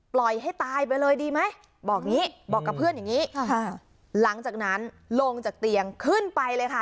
ปล่อยให้ตายไปเลยดีไหมบอกอย่างนี้บอกกับเพื่อนอย่างนี้ค่ะหลังจากนั้นลงจากเตียงขึ้นไปเลยค่ะ